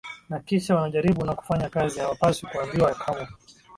Na kisha wanajaribu na kufanya kazi Hawapaswi kuambiwa kamwe